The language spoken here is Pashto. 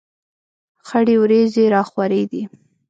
خړې ورېځې را خورې دي.